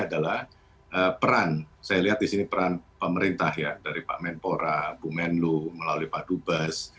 adalah peran saya lihat di sini peran pemerintah ya dari pak menpora bu menlu melalui pak dubes